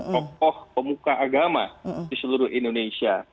tokoh pemuka agama di seluruh indonesia